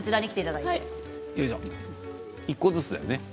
１個ずつだよね。